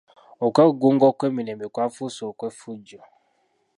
Okwegugunga okw'emirembe kwafuuse okw'effujjo.